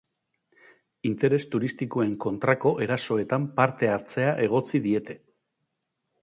Interes turistikoen kontrako erasoetan parte hartzea egotzi diete.